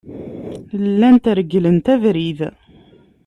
Llant regglent abrid.